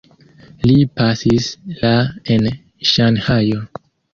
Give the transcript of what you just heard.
Li pasis la en Ŝanhajo.